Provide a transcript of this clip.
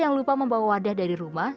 jangan lupa membawa wadah dari rumah